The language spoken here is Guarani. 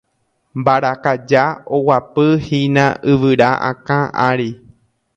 Mbarakaja oguapyhína yvyra akã ári.